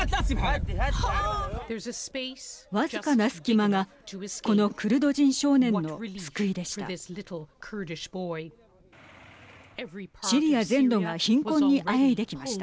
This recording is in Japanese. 僅かな隙間がこのクルド人少年の救いでした。